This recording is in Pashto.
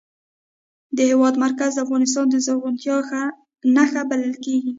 د هېواد مرکز د افغانستان د زرغونتیا نښه بلل کېږي.